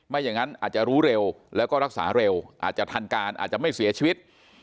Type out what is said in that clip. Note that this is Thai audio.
อย่างนั้นอาจจะรู้เร็วแล้วก็รักษาเร็วอาจจะทันการอาจจะไม่เสียชีวิต